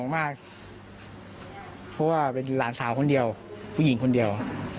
เพราะว่าเป็นหลานสาวคนเดียวผู้หญิงคนเดียว